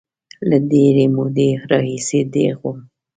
له ډېرې مودې راهیسې دیغ وم.